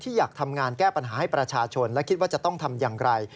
อยากทำงานแก้ปัญหาให้ประชาชนและคิดว่าจะต้องทำอย่างไร